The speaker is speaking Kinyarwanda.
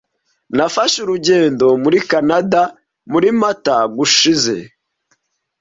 Nafashe urugendo muri Kanada muri Mata gushize.